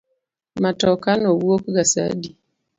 Matoka no wuok ga sa adi?